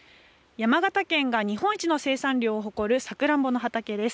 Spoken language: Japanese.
山形県が日本一の生産量を誇るさくらんぼの畑です。